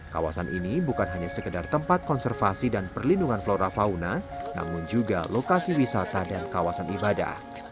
kawasan ini bukan hanya sekedar tempat konservasi dan perlindungan flora fauna namun juga lokasi wisata dan kawasan ibadah